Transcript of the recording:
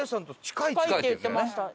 近いって言ってました。